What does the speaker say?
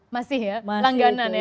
masih ya langganan ya